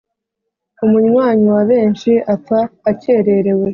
Umunywanyi wa benshi apfa akererewe.